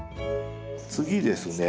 次ですね